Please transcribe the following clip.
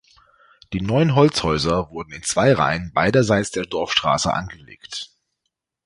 Die neun Holzhäuser wurden in zwei Reihen beiderseits der Dorfstraße angelegt.